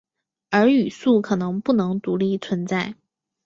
而语素可能不能独立存在。